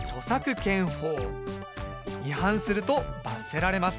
違反すると罰せられます。